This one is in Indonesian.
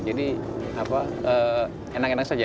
jadi enak enak saja